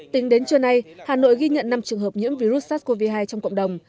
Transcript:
tính đến trưa nay hà nội ghi nhận năm trường hợp nhiễm virus sars cov hai trong cộng đồng